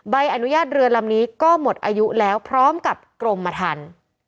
ใบอนุญาตเรือลำนี้ก็หมดอายุแล้วพร้อมกับกรมทัน